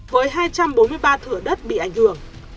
với hai trăm bốn mươi ba thửa đất bị ảnh hưởng